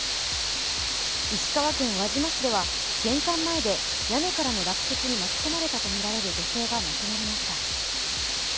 石川県輪島市では玄関前で屋根からの落雪に巻き込まれたとみられる女性が亡くなりました。